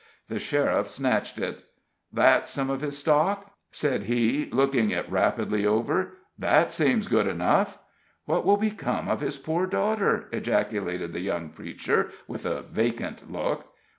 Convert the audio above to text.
The sheriff snatched it. "That's some of his stock?" said he, looking it rapidly over. That seems good enough." "What will become of his poor daughter?" ejaculated the young preacher, with a vacant look.